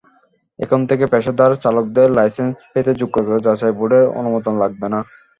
এখন থেকে পেশাদার চালকদের লাইসেন্স পেতে যোগ্যতা যাচাই বোর্ডের অনুমোদন লাগবে না।